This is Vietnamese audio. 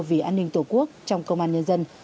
vì an ninh tổ quốc trong công an nhân dân